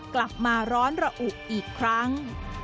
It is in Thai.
กลับมาร้อนระอุอีกครั้ง